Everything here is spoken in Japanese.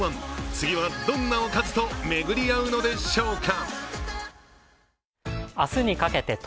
次はどんなおかずと巡り会うのでしょうか。